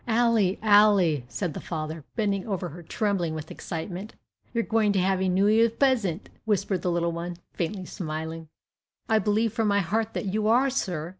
"Ally, Ally," said the father, bending over her, trembling with excitement. "You are going to have a New 'Ear's pesent," whispered the little one, faintly smiling. "I believe from my heart that you are, sir!"